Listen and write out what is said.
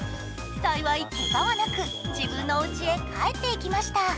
幸いけがはなく自分のおうちへ帰っていきました。